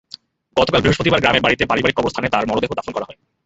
গতকাল বৃহস্পতিবার গ্রামের বাড়িতে পারিবারিক কবরস্থানে তাঁর মরদেহ দাফন করা হয়।